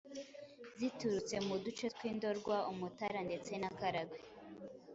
ziturutse mu duce tw'indorwa, umutara ndetse na karagwe.